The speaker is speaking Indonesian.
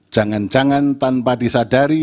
jangan jangan tanpa disadari